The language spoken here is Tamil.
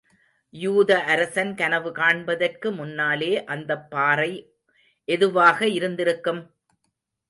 யூத அரசன் கனவு காண்பதற்கு முன்னாலே அந்தப்பாறை எதுவாக இருந்திருக்கும்?